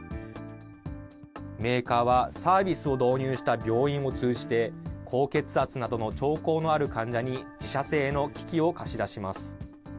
メーカーはサービスを導入した病院を通じて、高血圧などの兆候のある患者に自社製の機器を貸し出します。